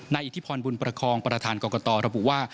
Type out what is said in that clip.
อิทธิพรบุญประคองประธานกรกตระบุว่า